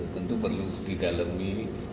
tentu perlu didalami